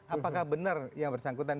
apakah benar yang bersangkutan